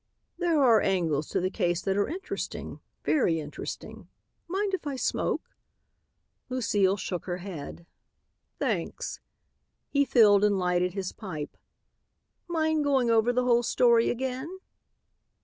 "There are angles to the case that are interesting, very interesting. Mind if I smoke?" Lucile shook her head. "Thanks." He filled and lighted his pipe. "Mind going over the whole story again?"